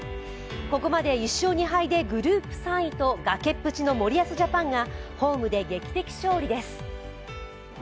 ここまで１勝２敗でグループ３位と崖っぷちの森保ジャパンがホームで劇的勝利です。